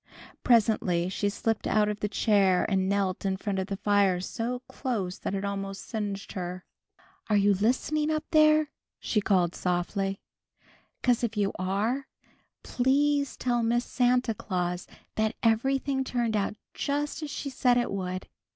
Presently she slipped out of the chair and knelt in front of the fire so close that it almost singed her. "Are you listening up there?" she called softly. "'Cause if you are, please tell Miss Santa Claus that everything turned out just as she said it would.